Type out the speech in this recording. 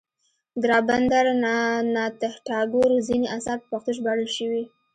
د رابندر ناته ټاګور ځینې اثار په پښتو ژباړل شوي.